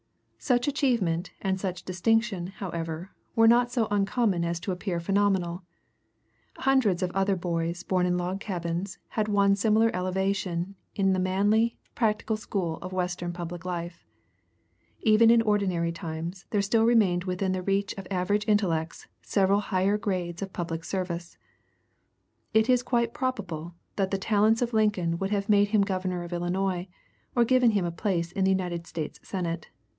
Such achievement and such distinction, however, were not so uncommon as to appear phenomenal. Hundreds of other boys born in log cabins had won similar elevation in the manly, practical school of Western public life. Even in ordinary times there still remained within the reach of average intellects several higher grades of public service. It is quite probable that the talents of Lincoln would have made him Governor of Illinois or given him a place in the United States Senate.